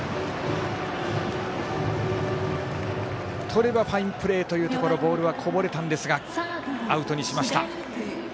とればファインプレーというところボールはこぼれたんですがアウトにしました。